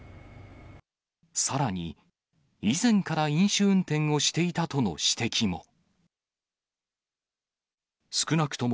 さらに、以前から飲酒運転をしていたとの指摘も。